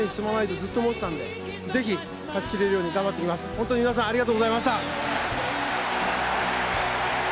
本当に皆さん、ありがとうございました。